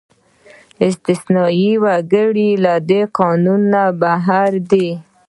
استثنايي وګړي له دې قانونه بهر دي.